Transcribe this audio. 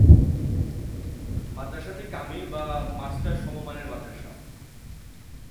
মাদ্রাসাটি কামিল বা মাস্টার্স সমমান মাদ্রাসা।